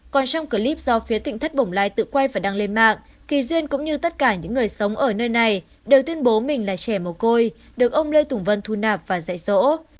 còn trong clip do phía tỉnh thất bồng lai tự quay và đăng lên mạng kỳ duyên cũng như tất cả những người sống ở nơi này đều tuyên bố mình là trẻ mồ côi được ông lê tùng vân thu nạp và dạy dỗ